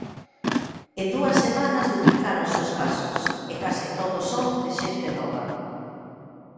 En dúas semanas duplicáronse os casos, e case todos son de xente nova.